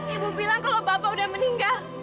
ibu bilang kalau bapak udah meninggal